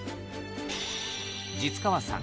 實川さん